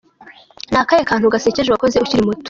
com: Ni akahe kantu gasekeje wakoze ukiri muto ?.